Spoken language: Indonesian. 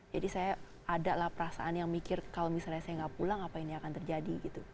jadi saya adalah perasaan yang mikir kalau misalnya saya nggak pulang apa ini akan terjadi gitu